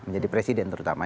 menjadi presiden terutama